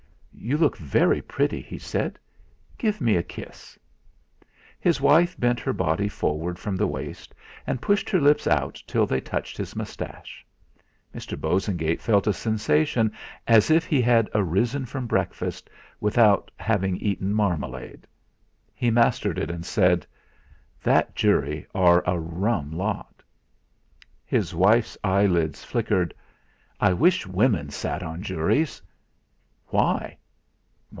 "You look very pretty," he said. "Give me a kiss!" His wife bent her body forward from the waist, and pushed her lips out till they touched his moustache. Mr. Bosengate felt a sensation as if he had arisen from breakfast, without having eaten marmalade. He mastered it, and said: "That jury are a rum lot." His wife's eyelids flickered. "I wish women sat on juries." "Why?"